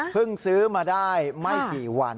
ซื้อมาได้ไม่กี่วัน